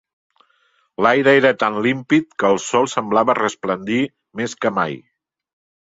L'aire era tan límpid, que el sol semblava resplendir més que mai.